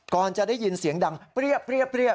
ก่อนจะได้ยินเสียงดังเปรี้ยบ